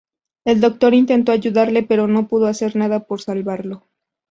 El doctor intentó ayudarle pero no pudo hacer nada por salvarlo.